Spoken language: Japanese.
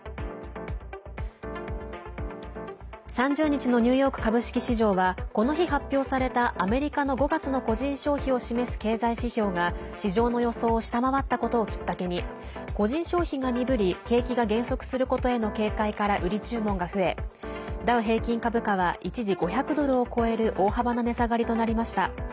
３０日のニューヨーク株式市場はこの日、発表されたアメリカの５月の個人消費を示す経済指標が市場の予想を下回ったことをきっかけに個人消費が鈍り景気が減速することへの警戒から売り注文が増え、ダウ平均株価は一時５００ドルを超える大幅な値下がりとなりました。